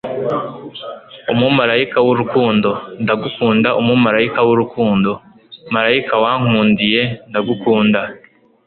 umumarayika w'urukundo, ndagukunda umumarayika w'urukundo, marayika wankundiye, ndagukunda